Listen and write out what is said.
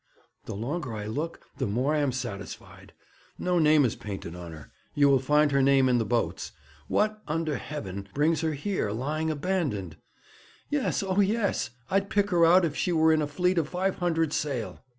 the longer I look, the more I am satisfied. No name is painted on her; you will find her name in the boats. What, under heaven, brings her here, lying abandoned? Yes, oh yes! I'd pick her out if she were in a fleet of five hundred sail.'